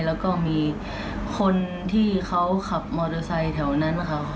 แล้วก็มีคนที่เขาขับมอเตอร์ไซค์แถวนั้นนะคะ